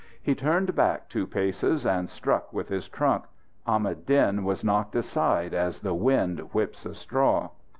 He turned back two paces, and struck with his trunk. Ahmad Din was knocked aside as the wind whips a straw.